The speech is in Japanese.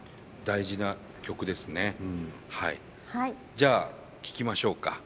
じゃあ聴きましょうか。